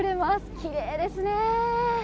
きれいですね。